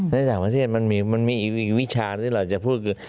ในต่างประเทศมันมีอีกวิชาที่เราจะพูดคือ